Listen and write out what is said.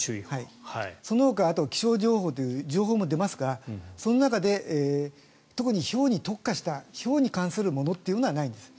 そのほか、気象情報という情報も出ますからその中で特にひょうに特化したひょうに関するものというのはないんです。